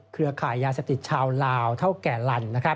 เครือข่ายยาเสพติดชาวลาวเท่าแก่ลัน